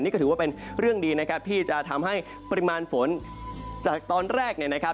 นี่ก็ถือว่าเป็นเรื่องดีนะครับที่จะทำให้ปริมาณฝนจากตอนแรกเนี่ยนะครับ